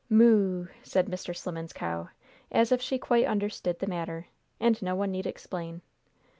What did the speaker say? "Moo!" said Mr. Slimmen's cow, as if she quite understood the matter, and no one need explain.